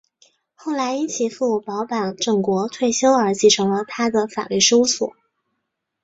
后来因其父保坂正国退休而承继了他的法律事务所。